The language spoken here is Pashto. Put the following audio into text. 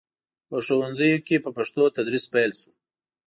په ښوونځیو کې په پښتو تدریس پیل شو.